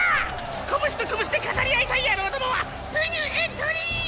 拳と拳で語り合いたい野郎どもはすぐエントリー！